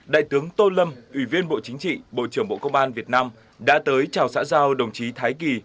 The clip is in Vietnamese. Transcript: đại tướng tô lâm ủy viên bộ chính trị bộ trưởng bộ công an việt nam đã tới chào xã giao đồng chí thái kỳ